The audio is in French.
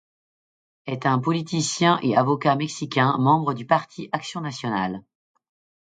Est un politicien et avocat mexicain, membre du Parti action nationale.